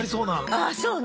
あそうね